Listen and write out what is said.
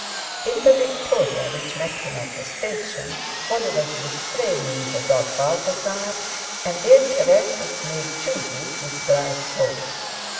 In the victoria which met him at the station Holly was restraining the dog Balthasar, and their caresses made "jubey" his drive home.